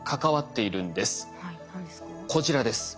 こちらです。